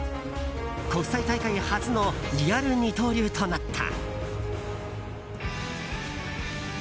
国際大会初のリアル二刀流となった。